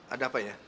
ada apa ya